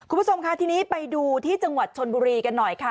คุณผู้ชมค่ะทีนี้ไปดูที่จังหวัดชนบุรีกันหน่อยค่ะ